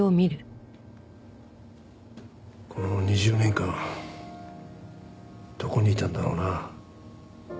この２０年間どこにいたんだろうな。